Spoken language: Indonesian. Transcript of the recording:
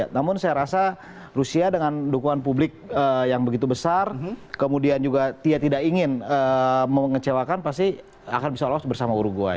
namun saya rasa rusia dengan dukungan publik yang begitu besar kemudian juga dia tidak ingin mengecewakan pasti akan bisa lolos bersama uruguay